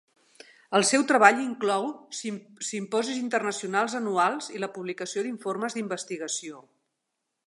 El seu treball inclou simposis internacionals anuals i la publicació d'informes d'investigació.